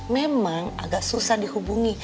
memang agak susah dihubungi